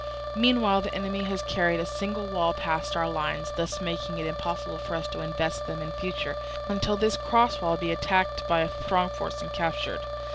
Meanwhile the enemy have carried a single wall past our lines, thus making it impossible for us to invest them in future, until this cross wall be attacked by a strong force and captured.